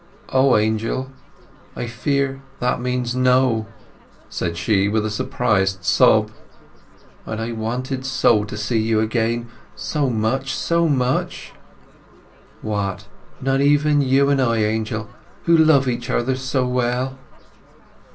"O, Angel—I fear that means no!" said she, with a suppressed sob. "And I wanted so to see you again—so much, so much! What—not even you and I, Angel, who love each other so well?"